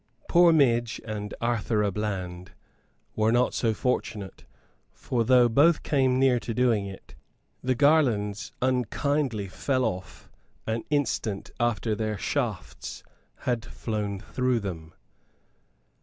Poor Midge and Arthur à Bland were not so fortunate, for though both came near to doing it, the garlands unkindly fell off an instant after their shafts had flown through them.